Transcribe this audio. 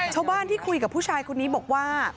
ที่คุยกับผู้ชายคนนี้บอกว่า